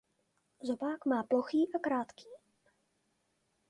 Zobák má plochý a krátký.